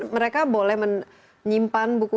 mereka boleh menyimpan buku